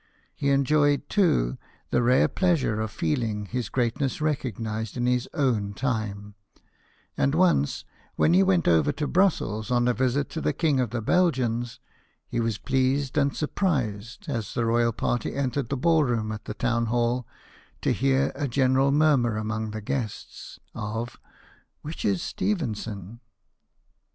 He enjoyed, too, the rare pleasure of feeling his greatness recognized in his own tims : and once, when he went over to Brussels on a visit to the king of the Belgians, he was pleased and surprised, as the royal party entered the ball room at the Town Hall, to hear a general murmur among the guests of " Which is Stephenson